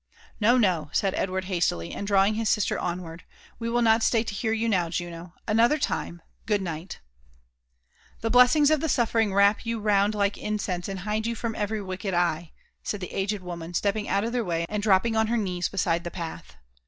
'' No, no," said Edward hastily, and drawing his sister onward ;'' we will not stay to hear you now, Juno : ^nother time. Good night 1" *' The blessings of the suffering wrap you round like incense, and hide you from every wicked eye i" said the aged woman, stepping out of their way, and dropping on her knees beside the path.